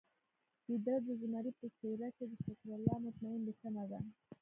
ګیدړ د زمري په څیره کې د شکرالله مطمین لیکنه ده